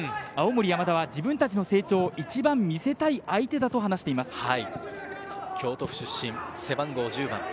青森山田は自分たちの成長を一番見せたい相手だと話しています。